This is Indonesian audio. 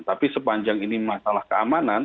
tapi sepanjang ini masalah keamanan